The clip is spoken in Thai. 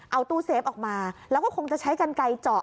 เอาตู้เซฟออกมาแล้วก็คงจะใช้กันไกลเจาะ